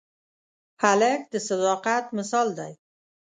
هلک د صداقت مثال دی.